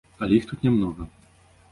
Але іх тут не многа.